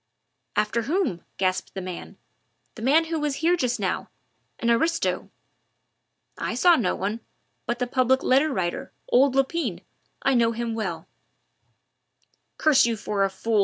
"After whom?" gasped the man. "The man who was here just now an aristo." "I saw no one but the Public Letter Writer, old Lepine I know him well " "Curse you for a fool!"